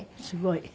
すごい。